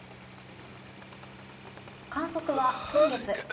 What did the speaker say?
観測は先月。